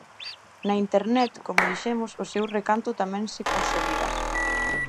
Na Internet, como dixemos, o seu recanto tamén se consolida.